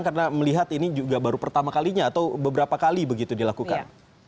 karena melihat ini juga baru pertama kalinya atau beberapa kali begitu dilakukan